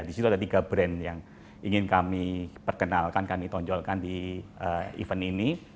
di situ ada tiga brand yang ingin kami perkenalkan kami tonjolkan di event ini